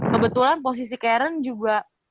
kebetulan posisi karen juga